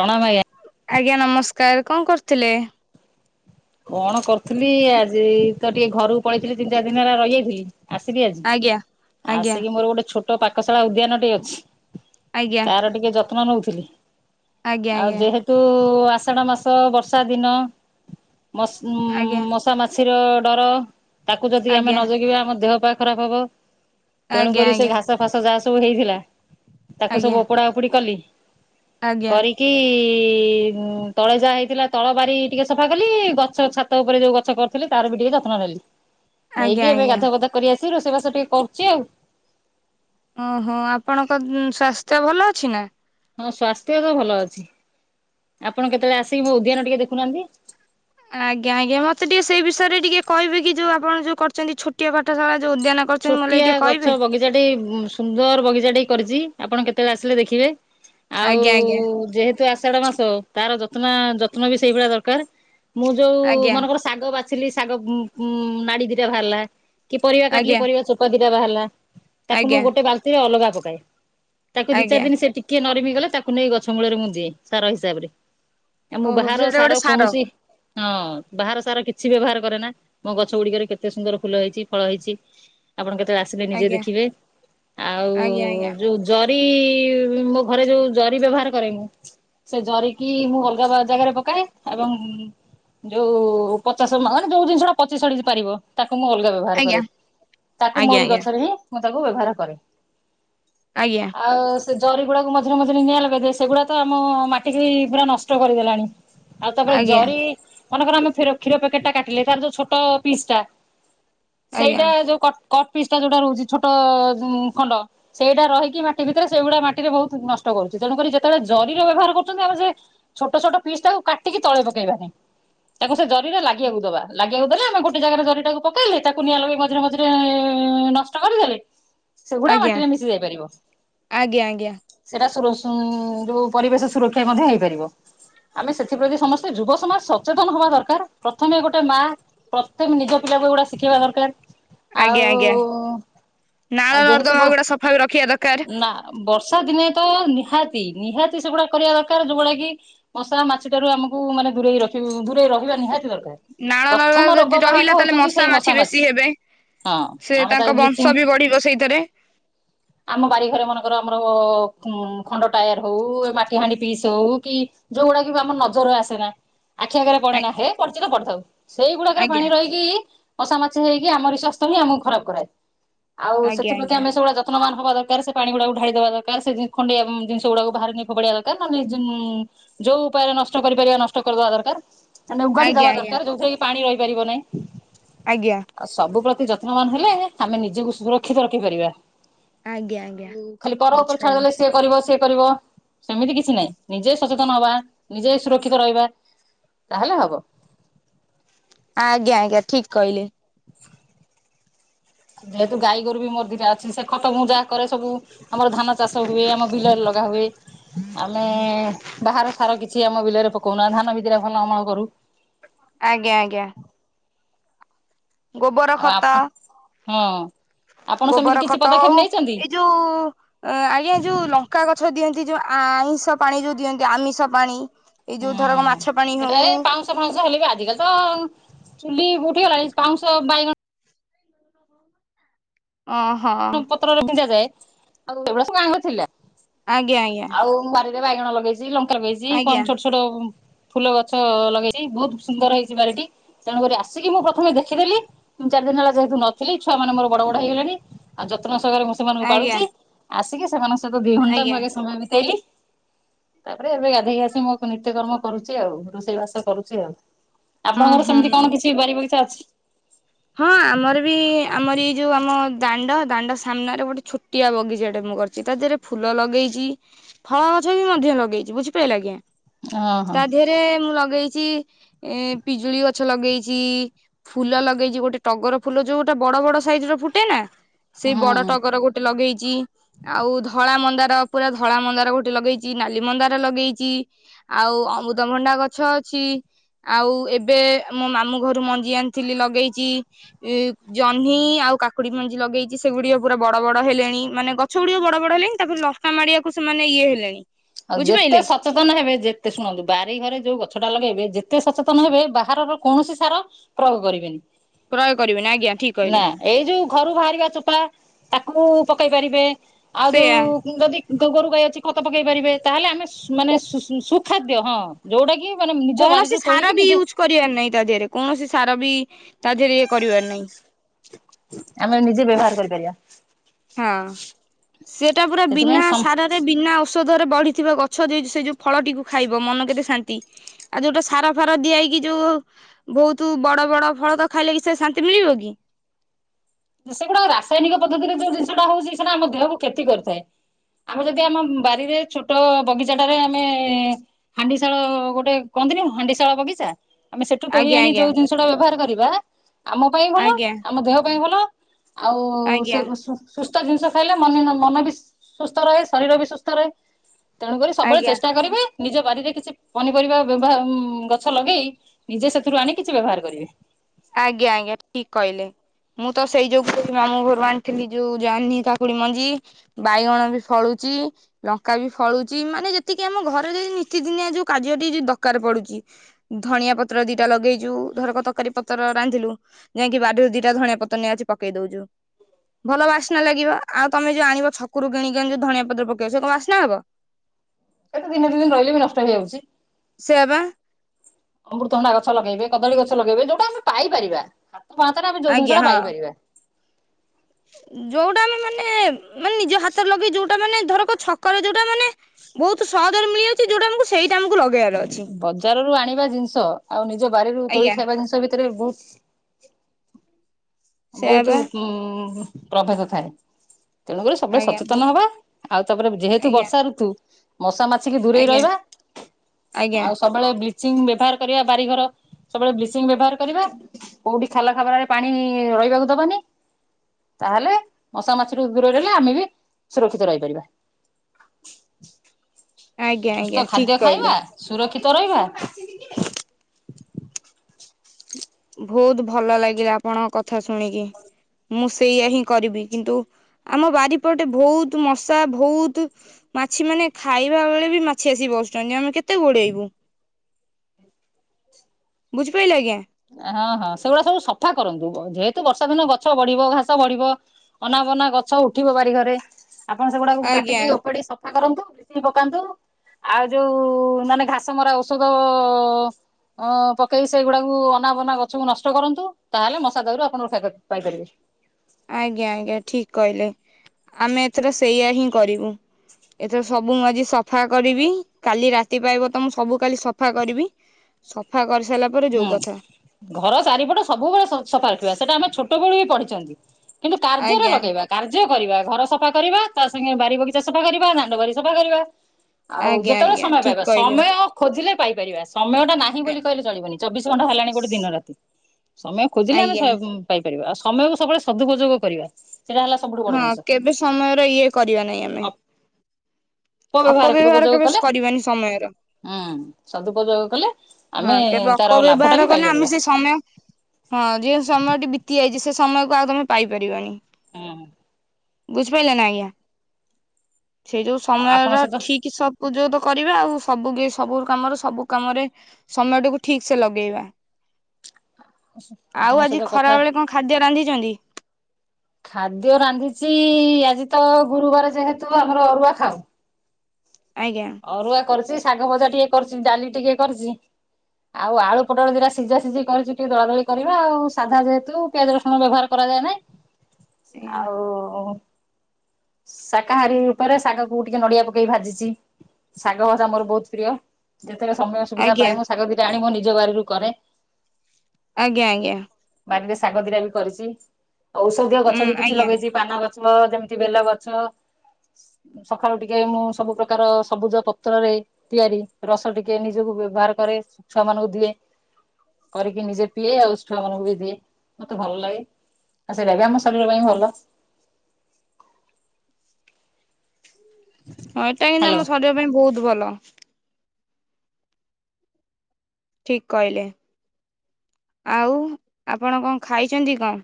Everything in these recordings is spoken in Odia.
ପ୍ରଣାମ ଆଜ୍ଞା। ଆଜ୍ଞା ନମସ୍କାର। କଣ କରୁଥିଲେ? କଣ କରୁଥିଲି? ଆଜି ତ ଟିକେ ଘରକୁ ପଳେଇଥିଲି ତିନି ଚାରି ଦିନ ହେଲା ରହିଯାଇଥିଲି। ଆସିଲି ଆଜି। ଆଜ୍ଞା ଆଜ୍ଞା ଆସିକି ମୋର ଗୋଟେ ଛୋଟ ପାକଶାଳା ଉଦ୍ୟାନ ଟିଏ ଅଛି। ଆଜ୍ଞା ତାର ଟିକେ ଯତ୍ନ ନଉଥିଲି। ଆଉ ଆଜ୍ଞା ଯେହେ ତୁ ଆଷାଢ ମାସ ବର୍ଷା ଦିନ ଆଜ୍ଞା ମଶା-ଉଁ-ମଶା ମାଛିର ଡର। ତାକୁ ଯଦି ଆମେ ଆଜ୍ଞା ନ ଜଗିବା ଆମ ଦେହ ପାଗ ଖରାପ ହବ। ତେଣୁକରି ସେ ଆଜ୍ଞା ଘାସ ଫାସ ଯାହା ସବୁ ହେଇଥିଲା ତାକୁ ଆଜ୍ଞା ଆଜ୍ଞା ସବୁ ଓପଡା ଓପୁଡି କଲି। ଆଜ୍ଞା ଆଜ୍ଞା କରିକି ତଳେ ଯାହା ହେଇଥିଲା ତଳ ବାରି ଟିକେ ସଫା କଲି। ଗଛ ଛାତ ଉପରେ ଯୋଉ ଗଛ କରିଥିଲି ତାର ବି ଟିକେ ଯତ୍ନ ନେଲି, ନେଇକି ଏବେ ଆଜ୍ଞା ଗାଧୁଆ ପାଧୁଆ କରି ଆସିି ରୋଷେଇ ବାସ ଟିକେ କରୁଚି ଆଉ। ଓହୋ, ଆପଣଙ୍କ ସ୍ୱାସ୍ଥ୍ୟ ଭଲ ଅଛି ନା? ହଁ ସ୍ୱାସ୍ଥ୍ୟ ତ ଭଲ ଅଛି, ଆପଣ କେତେବେଳେ ଆସିକି ମୋ ଉଦ୍ଯାନ ଟିକେ ଦେଖୁନାହାନ୍ତି। ଆଜ୍ଞା-ଆଜ୍ଞା ମତେ ଟିକେ ସେଇ ବିଷୟରେ ଟିକେ କହିବେ କି ଯୋଉ ଆପଣ ଯୋଉ କର୍ ଚନ୍ତି ଛୋଟିଆ ପାଠଶାଳା ଯୋଉ ଉଦ୍ୟାନ କରିଚନ୍ତି [unintelligible] ଛୋଟିଆ ଟିକେ କହିବେ। [unintelligible] ସୁନ୍ଦର ବଗିଚା ଟି କରିଚି ଆପଣ କେତେବେଳେ ଆସିଲେ ଦେଖିବେ ଆଉ ଆଜ୍ଞା ଆଜ୍ଞା ଯେହେତୁ ଆଷାଢ ମାସ, ତାର ଯତ୍ନା ଯତ୍ନ ବି ସେଇଭଳିଆ ଦରକାର୍। ମୁଁ ଯୋଉ ଆଜ୍ଞା ମନେକର ଶାଗ ବାଛିଲି ଶାଗ ନାଡ଼ି ଦିଟା ବାହାରିଲା କି ପରିବା କାଟିଲି ଆଜ୍ଞା ପରିବା ଚୋପା ଦିଟା ବାହାରିଲା, ତାକୁ ମୁଁ ଆଜ୍ଞା ଗୋଟେ ବାଲ୍ଟିରେ ଅଲଗା ପକାଏ। ତାକୁ ଦି ଚାରି ଆଜ୍ଞା ଦିନ ସେ ଟିକେ ନରମି ଗଲେ ତାକୁ ନେଇ ଗଛ ମୂଳରେ ମୁଁ ଦିଏ ସାର ହିସାବରେ। ଆ ମୁଁ ଓହୋ ବାହାର ସେଇଟା ସାର ଗୋଟେ କୌଣସି ହଁ ବାହାର ସାର କିଛି ବ୍ୟବହାର କରେନା, ମୋ ଗଛ ଗୁଡିକରେ କେତେ ସୁନ୍ଦର ଫୁଲ ହେଇଛି ଫଳ ହେଇଚି। ଆପଣ କେତେବେଳେ ଆସିଲେ ନିଜେ ଆଜ୍ଞା ଦେଖିବେ, ଆଉ ଆଜ୍ଞା ଆଜ୍ଞା ଯୋଉ ଜରି ମୋ ଘରେ ଯୋଉ ଜରି ବ୍ୟବହାର କରେ ମୁଁ ସେ ଜରିକି ମୁଁ ଅଲଗା ଜାଗାରେ ପକାଏ ଏବଂ ଯୋଉ ପଚା ଶ ମାନେ ଯୋଉ ଜିନିଷଟା ପଚି ସଢି ପାରିବ ତାକୁ ମୁଁ ଅଲଗା ବ୍ୟବହାର ଆଜ୍ଞା କରେ, ତାକୁ ମୋରି ଆଜ୍ଞା ଆଜ୍ଞା ଗଛରେ ହିଁ ମୁଁ ତାକୁ ବ୍ୟବହାର କରେ। ଆଜ୍ଞା। ଆଉ ସେ ଜରି ଗୁଡାକୁ ମଝିରେ-ମଝିରେ ନିଆଁ ଲଗେଇ ଦିଏ, ସେଗୁଡା ତ ଆମ ମାଟିିକି ପୁରା ନଷ୍ଟ କରିଦେଲାଣି। ଆଉ ତାପରେ ଆଜ୍ଞା ଜରି ମନେକର ଆମେ କ୍ଷୀର-କ୍ଷୀର ପ୍ୟାକେଟ୍ ଟା କାଟିଲେ, ତାର ଯୋଉ ଛୋଟ ପିସ୍ ଟା ଆଜ୍ଞା ସେଇଟା ଯୋଉ କଟ୍-କଟ୍ ପିସ୍ ଟା ଯୋଉଟା ରହୁଚି ଛୋଟ ଖଣ୍ଡ ସେଇଟା ରହିକି ମାଟି ଭିତରେ ସେଇଗୁଡା ମାଟିରେ ବହୁତୁ ନଷ୍ଟ କରୁଚି, ତେଣୁକରି ଯେତେବେଳେ ଜରିରେ ବ୍ୟବହାର କରୁଚିନ୍ତି ଆମେ ସେ ଛୋଟ-ଛୋଟ ପିସ୍ ଟାକୁ କାଟିକି ତଳେ ପକେଇବାନି। ତାକୁ ସେ ଜରିରେ ଲାଗିଆକୁ ଦବା ଲାଗିଆକୁ ଦେଲେ ଆମେ ଗୋଟେ ଜାଗାରେ ଜରି ଟାକୁ ପକେଇଲେ। ତାକୁ ନିଆଁ ଲଗେଇ ମଝିରେ-ମଝିରେ ଏ ନଷ୍ଟ କରିଦେଲେ ସେଗୁଡା ଆଜ୍ଞା ମାଟିରେ ମିଶି ଯାଇପାରିବ। ଆଜ୍ଞା ଆଜ୍ଞା ଆଜ୍ଞା ସେଇଟା ସୁର ଯୋଉ ପରିବେଶ ସୁରକ୍ଷା ମଧ୍ୟ ହେଇପାରିବ। ଆମେ ସେଥିପ୍ରତି ସମସ୍ତେ ଯୁବ ସମାଜ ସଚେତନ ହବା ଦରକାର୍, ପ୍ରଥମେ ଗୋଟେ ମା ପ୍ରତ୍ୟକ୍ ନିଜ ପିଲାକୁ ଏଗୁଡା ଶିଖେଇବା ଦରକାର୍। ଆଜ୍ଞା ଆଜ୍ଞା ଆଉ-ଆଉ ନାଳ ଯେହେତୁ ନର୍ଦ୍ଦମା ଗୁଡା ସଫା ବି ରଖିବା ଦରକାର [unintelligible] ନା ବର୍ଷା ଦିନେ ତ ନିହାତି-ନିହାତି ସେଗୁଡା କରିବା ଦରକାର୍, ଯୋଉଗୁଡା କି ମଶା ମାଛିଠାରୁ ଆମକୁ ମାନେ ଦୂରେଇ ରଖି ଦୂରେଇ ରହିବା ନିହାତି ଦରକାର୍। ନାଳ ନର୍ଦମା ଯଦି ରହିଲା ତାହେଲେ ମଶା ମାଛି ବେଶୀ ହେବେ, ହଁ ସେ ଆମେ ତାକୁ ତାଙ୍କ ବ୍ଲିଚିଂ ବଂଶ ବି ବଢିବ ସେଇଥେରେ। ଆମ ବାରି ଘରେ ମନେକର ଆମର ଖଣ୍ଡ ଟାୟାର୍ ହଉ ଏ ମାଟି ହାଣ୍ଡି ପିସ୍ ହଉ କି ଯୋଉଗୁଡା କି ଆମ ନଜର୍ ରେ ଆସେନା। ଆଖି ଆଗରେ ଆ ପଡେନା ହେ ପଡିଚି ତ ପଡିିଥାଉ, ସେଇ ଗୁଡାକରେ ଆଜ୍ଞା ପାଣି ରହିକି ମଶା ମାଛି ହେଇକି ଆମରି ସ୍ୱାସ୍ଥ୍ୟ ହିଁ ଆମକୁ ଖରାପ୍ କରେ, ଆଉ ଆଜ୍ଞା ସେଥିପ୍ରତି ଆଜ୍ଞା ଆମେ [unintelligible] ଯ ତ୍ନବାନ୍ ହବା ଦରକାର୍, ସେ ପାଣି ଗୁଡାକୁ ଢାଳି ଦେବା ଦରକାର ସେ ଖଣ୍ଡିଆ ଜିନିଷ ଗୁଡାକୁ ବାହାର କରି ଫୋପଡିବା ଦରକାର୍ ନହେଲେ ନାଇଁ [unintelligible] ଯୋଉ ଉପାୟରେ ନଷ୍ଟ କରିପାରିବା ନଷ୍ଟ କରିଦବା ଦରକାର୍। ମାନେ ଉଗାଡି ଆଜ୍ଞା ଦବା ଆଜ୍ଞା ଦରକାର୍, ଯୋଉଥିରେ କି ପାଣି ରହିପାରିବ ନାହିଁ। ଆଜ୍ଞା। ଆଉ ସବୁ ପ୍ରତି ଯତ୍ନବାନ୍ ହେଲେ ଆମେ ନିଜକୁ ସୁରକ୍ଷିତ ରଖିପାରିବା। ଆଜ୍ଞା ଆଜ୍ଞା ଖାଲି ପର ଉପରେ ବୁଝିପାରିଲି। ଛାଡିଦେଲେ ସିଏ କରିବ ସେ କରିବ ସେମିତି କିଛି ନାଇଁ ନିଜେ ସଚେତନ ହବା ନିଜେ ସୁରକ୍ଷିତ ରହିବା। ତା ହେଲେ ହବ। ଆଜ୍ଞା ଆଜ୍ଞା ଠିକ୍ କହିଲେ। ଯେହେତୁ ଗାଈ ଗୋରୁ ବି ମୋର ଦିଟା ଅଛି ସେ ଖତ ମୁଁ ଯାହା କରେ ସବୁ ଆମର ଧାନ ଚାଷ ହୁଏ ଆମ ବିଲରେ ଲଗାହୁଏ ଆମେ ବାହାର ସାର କିଛି ଆମ ବିଲରେ ପକଉନା ଧାନ ଭିତରେ ଭଲ ଅମଳ କରୁ। ଆଜ୍ଞା ଆଜ୍ଞା। ଗୋବର ଆଉ ଖତ ଆପ ହଁ ଆପଣ ସେମିତି ଗୋବର କିଛି ଖତ ପଦକ୍ଷେପ ହଉ ନେଇଛନ୍ତି ଏ ଯୋ ଉ ଅ ଆଜ୍ଞା ଏ ଯୋଉ ଲଙ୍କା ଗଛ ଦିଅନ୍ତି ଯୋଉ ଆଇଁଷ ପାଣି ଯୋଉ ଦିଅନ୍ତି ଆମିଷ ପାଣି। ଏ ଯୋଉ ଥରକ ମାଛ ପାଣି ହଉ ଶ ଫାଉଁଶ ହେଲେ ବି ଆଜିକାଲି ତ ଆଉ ଚୁଲି ଉଠିଗଲାଣି ପାଉଁଶ ବାଇଗ ଅଁ ହଁ। ପତରରେ ବିଞ୍ଚାଯାଏ ଆଉ ଏ ଭଳିଆ ସବୁ ଆଗୁରୁ ଥିଲା। ଆଜ୍ଞା ଆଜ୍ଞା। ଆଉ ମୁଁ ବାରିରେ ବାଇଗଣ ଲଗେଇଚି ଲଙ୍କା ଲଗେଇଚି କ ଆଜ୍ଞା ଛୋ ଛୋଟ ଫୁଲ ଗଛ ଲଗେଇଚି ବହୁତ ସୁନ୍ଦର ହେଇଛି ବାରିଟି। ତେଣୁକରି ଆସିକି ମୁଁ ପ୍ରଥମେ ଦେଖିଦେଲି ତିନି ଚାରି ଦିନି ହେଲା ଯେହେତୁ ନଥିଲି ଛୁଆମାନେ ମୋର ବଡ ବଡ ହେଇଗଲେଣି। ଆଉ ଯତ୍ନ ସହକାରେ ମୁଁ ସେମାନଙ୍କୁ ଆଜ୍ଞା ପାଳୁଚି ଆସିକି ସେମାନଙ୍କ ସହିତ ଦି ଘଣ୍ଟା ଆଜ୍ଞା ମୁଁ ଆଗେ ସମୟ ବିତେଇଲି। ତାପରେ ଏବେ ଗାଧେଇକି ଆସି ମୋ ନିତ୍ୟକର୍ମ କରୁଚି ଆଉ ରୋଷେଇ ବାସ କରୁଚି ଆଉ। ଉଁ ଆପଣଙ୍କର ହୁଁ ସେମତି କଣ କିଛି ବାରି ବଗିଚା ଅଛି? ହଁ ଆମର ବି ଆମର ଏଇ ଯୋଉ ଆମ ଦାଣ୍ଡ ଦାଣ୍ଡ ସାମ୍ନାରେ ଗୋଟେ ଛୋ ଟିଆ ବଗିଚାଟେ ମୁଁ କରିଚି ତା ଦିହେରେ ଫୁଲ ଲଗେଇଚି ଫଳ ଗଛ ବି ମଧ୍ୟ ଲଗେଇଚି ବୁଝିପାଇଲେ ଆଜ୍ଞା ହଁ ହଁ। ତା ଦେହେ ରେ ମୁଁ ଲଗେଇଚି ଏ ପିଜୁଳି ଗଛ ଲଗେଇଚି ଫୁଲ ଲଗେଇ ଚି ଗୋଟେ ଟଗର ଫୁଲ ଯୋଉ ଗୋଟେ ବଡ ବଡ ସାଇଜ ର ଫୁଟେ ନା ସେଇ ବଡ ହୁଁ ଟଗର ଗୋଟେ ଲଗେଇଚି। ଆଉ ଧଳା ମନ୍ଦାର ପୁରା ଧଳା ମନ୍ଦାର ଗୋଟେ ଲଗେଇଚି ନାଲି ମନ୍ଦାର ଲଗେଇଚି। ଆଉ ଅମୃତଭଣ୍ଡା ଗଛ ଅଛି। ଆଉ ଏବେ ମୋ ମାମୁଁ ଘରୁ ମଞ୍ଜି ଆଣିଥିଲି ଲଗେଇଚି। ଉ ଜହ୍ନି ଆଉ କାକୁଡି ମଞ୍ଜି ଲଗେଇଚି ସେଗୁଡିକ ପୁରା ବଡ ବଡ ହେଲେଣି ମାନେ ଗ ଛ ଗୁଡିକ ବଡ ବଡ ହେଲେଇଁ ତାପରେ ଲଟା ମାଡିଆକୁ ସେମାନେ ଇଏ ହେଲେଣି। ଆଉ ଯେତେ ବୁଝିପାରିଲେ ସ ଚେତନ ହେବେ ଯେତେ ଶୁଣନ୍ତୁ ବାରି ଘରେ ଯୋଉ ଗଛ ଟା ଲଗେଇବେ ଯେତେ ସଚେତନ ହେବେ ବାହାରର କୌଣସି ସାର ପ୍ରୟୋଗ କରିବେନି। ପ୍ରୟୋଗ କରିବେନି ଆଜ୍ଞା ଠିକ୍ ନା କହିଲେ। ଏଇ ଯୋଉ ଘରୁ ବାହାରିବା ଚୋପା ତାକୁ ପକେଇ ପାରିବେ ଆଉ ଯୋଉ ସେଇଆ ଉଁ ଯଦି ଗୋ-ଗୋରୁ ଗାଈ ଅଛି ଖତ ପକେଇ ପାରିବେ ତାହେଲେ ଆମେ ସୁ ମାନେ କୋ ସୁ-ସୁଖାଦ୍ୟ ହଁ। ଯୋଉଟା କି ମାନେ ନିଜ ବାରିରୁ ତୋଳିକି ନିଜେ ରିଆର ନାଇଁ ତା ଦିହରେ କୌଣସି ସାର ବି ତା ଦିହେରେ ଇଏ କରିବାର ନାଇଁ। ଆମେ ନିଜେ ବ୍ୟବହାର କରିପାରିବା। ହଁ ସେଇଟା ପୁରା ବିନା ସେଥିପାଇଁ ସମ୍ ସାର ରେ ବିନା ଔଷଧରେ ବଢିଥିବା ଗଛ ଯେ ସେ ଯୋଉ ଫଳଟିକୁ ଖାଇବ ମନ କେତେ ଶାନ୍ତି। ଆଉ ଯୋଉଟା ସାର ଫାର ଦିଆ ହେଇକି ଯୋଉ ବୋହୁତ ବଡ ବଡ ଫଳ ତାକୁ ଖାଇଲେ କି ସେ ଶାନ୍ତି ମିଳିବ କି। ସେଗୁଡାକ ରାସାୟନିକ ପଦ୍ଧତିରେ ଯୋଉ ଜିନିଷଟା ହଉଚି ସେଇଟା ଆମ ଦେହକୁ କ୍ଷତି କରିଥାଏ। ଆମେ ଯଦି ଆମ ବାରିରେ ଛୋଟ ବଗିଚା ଟାରେ ଆମେ ଏ ଏ ଏ ହାଣ୍ଡି ଶାଳ ଅ ଅ ଗୋଟେ କହନ୍ତିନି ହାଣ୍ଡିଶାଳ ବଗିଚା ଆମେ ସେଠୁ ତୋଳି ଆଜ୍ଞା ଆଣି ଆଜ୍ଞା ଯୋଉ ଜିନଷ ଟା ବ୍ୟବହାର କରିବା ଆମ ପାଇଁ ଭଲ ଆଜ୍ଞା ଆମ ଦେହ ପାଇଁ ଭଲ। ଆଉ ଉ ଉ ସେ ଆଜ୍ଞା ସୁ ସୁସ୍ଥ ଜିନଷ ଖାଇଲେ ମନେ ନ ମନ ବି ସୁସ୍ଥ ରହେ ଶରୀର ବି ସୁସ୍ଥ ରହେ। ତେଣୁକରି ସବୁବେଳେ ଆଜ୍ଞା। ଚେଷ୍ଟା କରିବେ ନିଜ ବାରିରେ କିଛି ପନିପରିବା ବେ ବାହା ଉଁମ୍ ଗଛ ଲଗେଇ ନିଜେ ସେଥିରୁ ଆଣି କିଛି ବ୍ୟବହାର କରିବେ। ଆଜ୍ଞା ଆଜ୍ଞା ଠିକ୍ କହିଲେ। ମୁଁ ତ ସେଇ ଯୋଉ ମାମୁଁ ଘରୁ ଆଣିଥିଲି ଯୋଉ ଜହ୍ନି କାକୁଡି ମଞ୍ଜି ବାଇଗଣ ବି ଫଳୁଚି। ଲଙ୍କା ବି ଫଳୁଚି ମାନେ ଯେତିକି ଆମ ଘରେ ଯଦି ନିତିଦିନିଆ ଯୋଉ କାର୍ଯ୍ୟଟି ଯୋଉ ଦରକାର ପଡୁଚି। ଧଣିଆ ପତ୍ର ଦିଟା ଲଗେଇଚୁ ଧର କ ତରକାରୀ ପତ୍ ତର ରାନ୍ଧିଲୁ ଯାଇଁକି ବାଡିରୁ ଦିଟା ଧଣିଆ ପତ୍ର ନେଇ ଆଉଚି ପକେଇ ଦଉଚୁ। ଭଲ ବାସ୍ନା ଲାଗିବ ଆଉ ତମେ ଯୋଉ ଆଣିବ ଛକୁରୁ କିଣିକିନି ଯୋଉ ଧଣିଆ ପତ୍ର ପକେଇବ ସେ କଣ ବାସ୍ନା ହବ? ଏଇ ତ ଦିନେ ଦି ଦିନି ରହିଲେ ବି ନଷ୍ଟ ହେଇଯାଉଚି। ସେୟା ବାଁ। ଅମୃତଗଣ୍ଡା ଗଛ ଲଗେଇବେ କଦଳୀ ଗଛ ଲଗେଇବେ ଯୋଉଟା ଆମେ ପାଇପାରିବା ହାତ ପାହାଁତା ରେ ଆମେ ଯୋଉ ଆଜ୍ଞା ଜିନଷଟା ହଁ ପାଇପାରିବା। ଯୋଉଟା ଆମେ ମାନେ ମାନେ ନିଜ ହାତରେ ଲଗେଇ ଯୋଉଟା ମାନେ ଧର କୋଉ ଛକରେ ଯୋଉଟା ମାନେ ବହୁତୁ ସହଜରେ ମିଳିଯାଉଚି ଯୋଉଟା ଆମୁକୁ ସେଇଟା ଆମକୁ ଲଗ ହୁଁ ବଜାର ରୁ ଆଣିବା ଜିନଷ ଆଉ ନିଜ ବାରିରୁ ଆଜ୍ଞା ତୋଳି ଖାଇବା ଜିନଷ ଭିତରେ ବହୁତ ସେୟା ବହୁତୁ ବା ଉଁ ଉଁ ଉଁ ପ୍ରଭେଦ ଥାଏ। ତେଣୁକରି ସବୁବେଳେ ଆଜ୍ଞା ଭୁ ସଚେତନ ହବା ଆଉ ତାପରେ ଯେହେତୁ ଆଜ୍ଞା ବର୍ଷା ଋତୁ ମଶା ମାଛି କିି ଦୂରେଇ ଆଜ୍ଞା ରହିବା ଆଜ୍ଞା ଆଉ ସବୁ ବଳେ ବ୍ଲିଚିଂ ବ୍ୟବହାର କରିବା ବାରିଘର ସବୁବେଳେ ବ୍ଲିଚିଂ ବ୍ୟବହାର କରିବା। କୋଉଠି ଖାଲା ଖାବରାରେ ପାଣି ଇ ଇ ରହିବାକୁ ଦବନି। ତାହେଲେ ମଶା ମାଛିରୁୁ ଦୂରରେ ରହିବା ଆମେ ବି ସୁରକ୍ଷିତ ରହିପାରିବା। ଆଜ୍ଞା ସୁସ୍ଥ ଆଜ୍ଞା ଖାଦ୍ୟ ଠିକ୍ ଖାଇବା କହିଲେ। ସୁରକ୍ଷିତ ରହିବା? ବହୁତ ଭଲ ଲାଗିଲା ଆପଣଙ୍କ କଥା ଶୁଣିକି ମୁଁ ସେଇଆ ହିଁ କରିବି କିନ୍ତୁ ଆମ ବାରିପଟେ ବହୁତ ମଶା ବହୁତୁ ମାଛି ମାନେ ଖାଇବା ବେଳେ ବି ମାଛି ଆସି ବସୁଚନ୍ତି ଆମେ କେତ କେତେ ଗୋଡେଇବୁ ବୁଝିପାଇଲେ ଆଜ୍ଞା। ହଁ ହଁ ସେଗୁଡ଼ା ସବୁ ସଫା କରନ୍ତୁ ଯେହେତୁ ବର୍ଷା ଦିନ ଗଛ ବଢ଼ିବ ଘାସ ବଢିବ ଅନା ବନା ଗଛ ଉଠିବ ବାରିଘରେ ଆପଣ ସେଗୁଡାକୁ ଆଜ୍ଞା କାଟିକି ଓପାଡି ସପ୍ ସଫା କରନ୍ତୁ ବ୍ଳଜଚିଂ ପକାନ୍ତୁ ଆଉ ଯୋଉ ଉ ଉ ଉ ମାନେ ଘାସ ମରା ଔଷଧ ଅ ଅ ଅ ଅଁ ପକେଇକି ସେଇଗୁଡାକୁ ଅ ଅନା ବନା ଗଛକୁ ନଷ୍ଟ କରନ୍ତୁ ତାହେଲେ ମଶା ଦାଉରୁ ଆପଣ ରକ୍ଷା ପାଇପାରିବେ। ଆଜ୍ଞା ଆଜ୍ଞା ଠିକ୍ କହିଲେ। ଆମେ ଏଥର ସେଇଆ ହିଁ କରିବୁ ଏଥର ସବୁଁ ଆଜି ସଫ ସଫା କରିବି କାଲି ରାତି ପାଇବ ତ ମୁଁ ସବୁ କାଲି ସଫା କରିବି ସଫା କରିସାରଇଲା ହୁଁ ଘର ଚାରିପଟ ସବୁବେଳେ ସ ସଫା ରଖିବା ସେଟା ଆମ ଛୋଟ ବେଳୁ ହି ପଢିଛନ୍ତି କିନ୍ତୁ କାର୍ଯ୍ୟରେ ଆଜ୍ଞା ଲଗେଇବା। କାର୍ଯ୍ୟ କରିବା ଘର ସଫା କରିବା ତା ସାଙ୍ଗେ ବାରି ବଗିଚା ସଫା କରିବା ଦାଣ୍ଡ ବାରି ସଫା କରିବା। ଆଉ ଆଜ୍ଞା ଯେତବଳେ ଆଜ୍ଞା ସମୟ ଠିକ ପାଇବ କହିଲେ। ସମୟ ଖୋଜିଲେ ପାଇପାରିବା ସମୟଟା ନାହିଁ ବୋଲି କହିଲେ ଚଳିବନି ଚବିଶ ଘଣ୍ଟା ହେଲାଣି ଗୋଟେ ଦିନ ରାତି। ସମୟ ଖୋଜିଲେ ଆମେ ଆଜ୍ଞା ସ ପାଇପାରିବା ଆଉ ସମୟକୁ ସବୁବେଳେ ସଦୁପଯୋଗ କରିବା ସେଇଟା ହେଲା ସବୁଠୁ ବଡ ହଁ ଜିନିଷ କେବେ ସମୟର ଇଏ କରିବା ନାହିଁ ଆମେ। ଅପବ୍ୟବହାର ସଦୁପଯୋଗ କେବେ କଲେ କରିବାନି ସମୟର। ହୁଁ ସଦୁପଯୋଗ କଲେ ହଁ ଆମେ କେବେ ତାର ଅପ ଲାଭ ଟା ବ୍ୟବହାର ବି କଲେ ଆମେ ପାଇପାରିବା ସେ ସମୟ ହଁ ଯେଉ ସମୟଟି ବିତି ଯାଇଛି ସେ ସମୟକୁ ଆଉ ତମେ ପାଇପାରିବନି। ହୁଁ। ବୁଝିପାରିଲେ ନା ଆଜ୍ଞା ସେ ଯୋଉ ସମୟ ଆପଣଙ୍କ ଟା ସହିତ ଠିକ ସବ ଉପଯୋଗ ତ କରିବା ଆଉ ସବୁ ଗି ସବୁ କାମରେ ସବୁ କାମରେ ସମୟଟିକୁ ଠିକ ସେ ଲଗେଇବା ଆଉ ଆପଣଙ୍କ ଆଜି ସହିତ ଖରା କଥା ବେଳେ କଣ ଖାଦ୍ୟ ରାନ୍ଧିଛନ୍ତି? ଖାଦ୍ୟ ରାନ୍ଧିଛି ଆଜି ତ ଗୁରୁବାର ଯେହେତୁ ଆମର ଅରୁଆ ଖାଉ। ଆଜ୍ଞା। ଅରୁଆ କରୁଛି ଶାଗ ଭଜା ଟିକେ କରୁଛି ଡାଲି ଟିକେ କରିଛି ଆଉ ଆଳୁ ପୋଟଳ ଦିଟା ସିଝା ସିଝି କରିଛି ଟିକେ ଦଳାଦଳି କରିବା ଆଉ ସାଧା ଯେହେତୁ। ପିଆଜ ରସୁଣ ବ୍ୟବହାର କରାଯାଏ ନାଇଁ ଆଜ୍ଞା ଆଉ ଶାକାହାରୀ ଉପରେ ଶାଗକୁ ଟିକେ ନଡିଆ ପକେଇକି ଭାଜିଛି ଶାଗ ଭାଷା ମୋର ବହୁତ ପ୍ରିୟ ଯେତେବେଳେ ସମୟ ଆଜ୍ଞା ସୁବିଧାଏ ମୁଁ ଶାଗ ଦିଟ ଆଣିବ ମୁ ନିଜ ବାରିରୁ କରେ। ଆଜ୍ଞା ଆଜ୍ଞା। ବାଡିରେ ଶାଗ ଦିରା ବି କରିଛି ଔଷଧୀୟ ହୁଁ ଗଛ ବି କିଛି ଆଜ୍ଞା। ଲଗେଇଛି। ପାନ ଗଛ ଯେମିତି ବେଲ ଗଛ ସକାଳୁ ଟିକେ ମୁଁ ସବୁ ପ୍ରକାର ସବୁଜ ପତ୍ରରେ ତିଆରି ରସ ଟିକେ ନିଜକୁ ବ୍ୟବହାର କରେ ଛୁଆ ମାନଙ୍କୁ ଦିଏ କରିକି ନିଜେ ପିଏ ଆଉ ଛୁଆ ମାନଙ୍କୁ ବି ଦିଏ ମତେ ଭଲ ଲାଗେ। ଆ ସେଇଟା ବି ଆମ ଶରୀର ପାଇଁ ଭଲ। ହଁ ଏଇଟା ହିଁ ହ୍ୟାଲୋ ଆମ ଶରୀର ପାଇଁ ବହୁତ ଭଲ। ଠିକ କହିଲେ ଆଉ ଆପଣ କଣ ଖାଇଛନ୍ତି କଣ?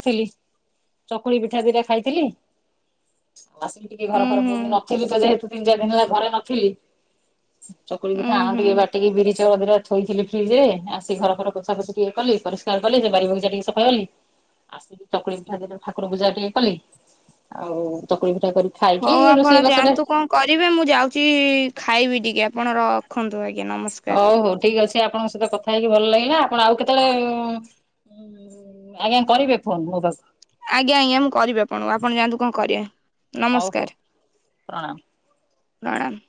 ଥିଲି ଚକୁଳି ପିଠା ଦିଟା ଖାଇଥିଲି। ଆଉ ଆସିକି ଟିକେ ଘର ଉୁଁ ଫର ହୁଁ ନଥିଲି ତ ଯେହେତୁ ତିନି ଚାରି ଦିନ ହେଲା ଘରେ ନଥିଲି ଚକୁଳି ପିଠା ଉୁଁ ଆଣ ହୁଁ ଟିକେ ବାଟିକି ବିରି ଚାଉଳ ଦିଟା ଥୋଇଥିଲି ଫ୍ରିଜ ରେ ଆସି ଘର ଫର ପୋଛା ପୋଛି ଟିକିଏ କାଲି ଲି ସୋ ବାରି ବଗିଚା ଟିକିଏ ସଫା କଲି। ଆସିକି ଚକୁଳି ପିଠା ଦିଟା ଠାକୁର ପୂଜା ଟିକେ କଲି ଆଉ ଚକୁଳି ପିଠା କରି ଖାଇକି ହଉ ଆପଣ ରୋଷେଇବାସରେ ଯାଆନ୍ତୁ କଣ କରିବେ ମୁଁ ଯାଉଛି ଖାଇବି ଟିକେ ଆପଣ ରଖନ୍ତୁ ଆଜ୍ଞା ନମସ୍କା ହଉ ହଉ ଠିକ ଅଛି ଆପଣଙ୍କ ସହିତ କଥା ହେଇକି ଭଲ ଲାଗିଲା ଆପଣ ଆଉ କେତେବେଳେ ଆଜ୍ଞା କରିବେ ଫୋନ୍ ମୋ ପାଖକୁ। ଆଜ୍ଞା ଆଜ୍ଞା ମୁଁ କରିବି ଆପଣଙ୍କୁ ଆପଣ ଯାଆନ୍ତୁ କଣ କରିବେ ହଉ ହଉ ନମସ୍କାର। ପ୍ରଣାମ। ପ୍ରଣାମ।